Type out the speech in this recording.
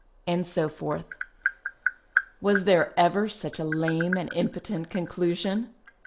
And so forth. Was there ever such a lame and impotent conclu sion